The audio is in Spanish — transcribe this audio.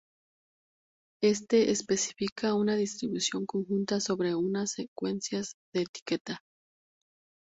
Este especifica una distribución conjunta sobre una secuencias de etiqueta.